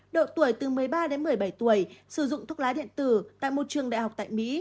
độ tuổi từ một mươi ba đến một mươi bảy tuổi sử dụng thuốc lá điện tử tại một trường đại học tại mỹ